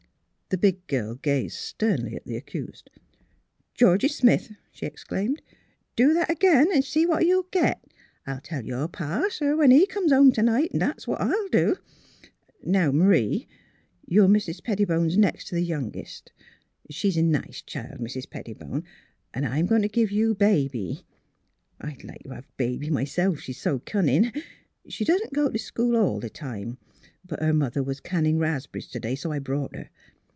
" The big girl gazed sternly at the accused. ''Georgie Smith," she exclaimed, "do that again, 'n' see what you'll get! I'll tell your pa, sir, when he comes home t ' night! That's what I'll do. ... Now, M'rie, you're Mis' Pettibone 's next to the youngest. She's a nice child, Mis^ Pettibone; an' I'm going to give you Baby. I'd like to have Baby myself, she's so cunnin'. She doesn't go to school all the time; but her mother was canning ras'b'rries to day so I brought her.